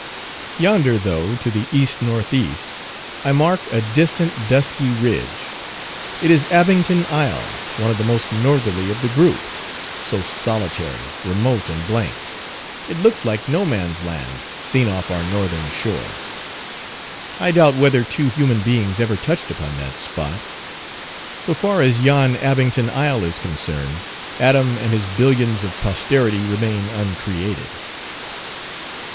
Yonder, though, to the E.N.E., I mark a distant dusky ridge. It is Abington Isle, one of the most northerly of the group; so solitary, remote, and blank, it looks like No Man's Land seen off our northern shore. I doubt whether two human beings ever touched upon that spot. So far as yon Abington Isle is concerned, Adam and his billions of posterity remain uncreated.